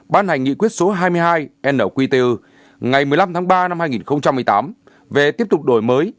ban hành nghị quyết số hai mươi hai nqtu ngày một mươi năm tháng ba năm hai nghìn một mươi tám về tiếp tục đổi mới